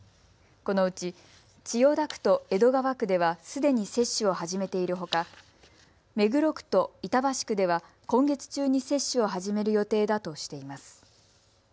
このうち千代田区と江戸川区ではすでに接種を始めているほか目黒区と板橋区では今月中に接種を始める予定だとしています。